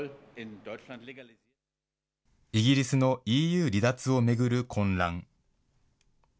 イギリスのＥＵ離脱を巡る混乱。